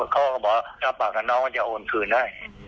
เขาก็บอกน้องก็จะโอนคืนได้